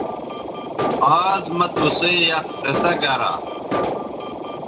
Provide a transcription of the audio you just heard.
آز مہ تُسئ یک قصہ گرا